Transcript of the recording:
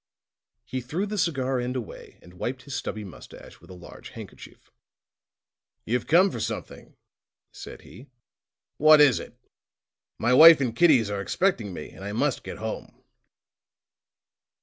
He threw the cigar end away and wiped his stubby moustache with a large handkerchief. "You've come for something," said he. "What is it? My wife and kiddies are expecting me, and I must get home."